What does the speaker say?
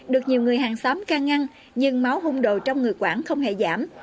được nhiều người hàng xóm can ngăn nhưng máu hung đồ trong người quản không hề giảm